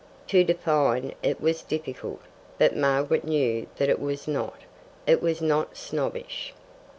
To define it was difficult, but Margaret knew what it was not: it was not snobbish.